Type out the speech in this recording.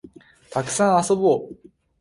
たくさん遊ぼう